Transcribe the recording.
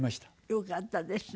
よかったですね。